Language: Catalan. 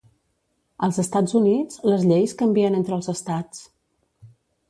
Als Estats Units, les lleis canvien entre els estats.